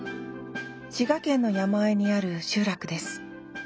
滋賀県の山あいにある集落です。